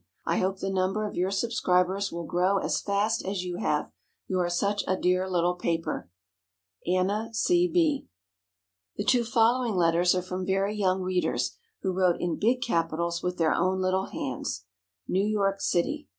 I hope the number of your subscribers will grow as fast as you have, you are such a dear little paper. ANNA C. B. The two following letters are from very young readers, who wrote in big capitals with their own little hands: NEW YORK CITY.